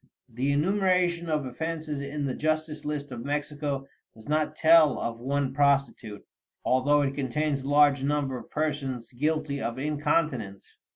The enumeration of offenses in the justice list of Mexico does not tell of one prostitute, although it contains a large number of persons guilty of "incontinence."